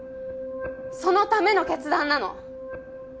そのための決断なの。